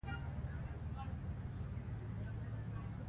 د مالونو لېږد باید چټک وي.